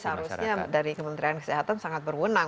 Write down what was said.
nah ini seharusnya dari kementerian kesehatan sangat berwunsa